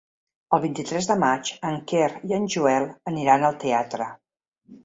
El vint-i-tres de maig en Quer i en Joel aniran al teatre.